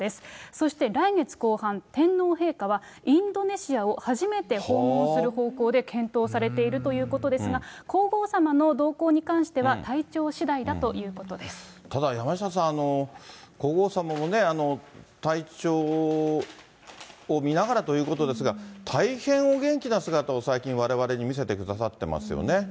そして来月後半、天皇陛下はインドネシアを初めて訪問する方向で検討されているということですが、皇后さまの同行に関しては、体調しだいだというただ、山下さん、皇后さまも体調を見ながらということですが、大変お元気な姿を最近、われわれに見せてくださってますよね。